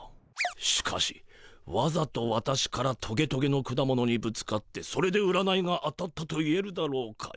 しかしわざと私からトゲトゲの果物にぶつかってそれで占いが当たったといえるだろうか。